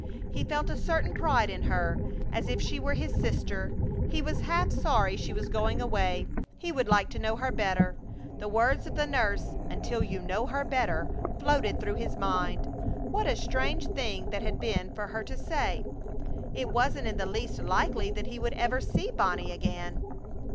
He felt a certain pride in her, as if she were his sister. He was half sorry she was going away. He would like to know her better. The words of the nurse, "until you know her better" floated through his mind. What a strange thing that had been for her to say! It wasn't in the least likely that he would ever see Bonnie again.